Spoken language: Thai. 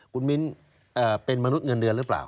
คุณมิ้นเป็นมนุษย์เงินเดือนหรือเปล่า